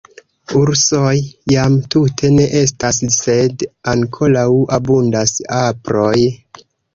Ursoj jam tute ne estas sed ankoraŭ abundas aproj.